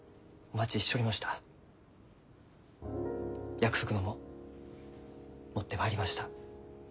約束のもん持ってまいりました。